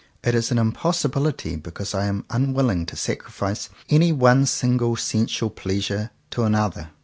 It is an impossibility because I am unwilling to sacrifice any one single sensual pleasure to another.